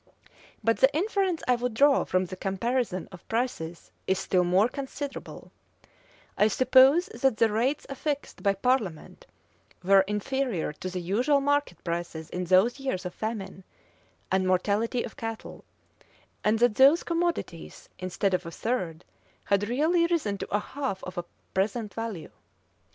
But the inference I would draw from the comparison of prices is still more considerable: I suppose that the rates affixed by parliament were inferior to the usual market prices in those years of famine and mortality of cattle; and that these commodities, instead of a third, had really risen to a half of the present value.